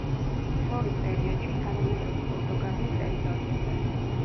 შორის პერიოდში თანამედროვე პორტუგალიის ტერიტორიაზე.